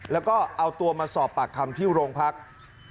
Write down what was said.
แล้วก็เอาตัวมาสอบปากคำที่โรงพัก